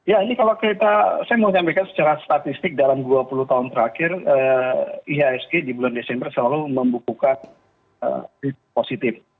ya ini kalau kita saya mau nyampekan secara statistik dalam dua puluh tahun terakhir ihsg di bulan desember selalu membukukan positif